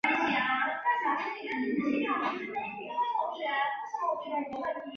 再根据这中介的表义字词来决定使用人工国际语言。